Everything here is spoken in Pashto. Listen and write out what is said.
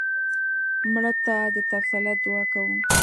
مړه ته د تسلیت دعا کوو